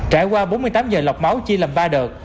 trải qua bốn mươi tám giờ lọc máu chi lầm ba đợt